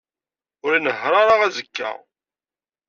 Ur inehheṛ ara azekka.